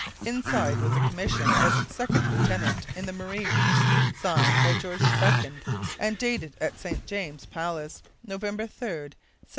Inside was a commission as second lieutenant in the Marines, signed by George II and dated at St James's Palace, November 3, 1741.